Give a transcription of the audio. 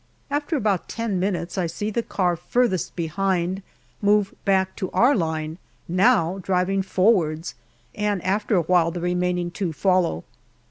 After about ten minutes I see the car furthest behind move back to our line, now driving forwards, and after a while the remaining two follow.